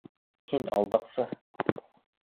— Һин алдаҡсы!